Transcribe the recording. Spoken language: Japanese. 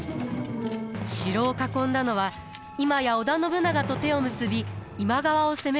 城を囲んだのは今や織田信長と手を結び今川を攻める家康でした。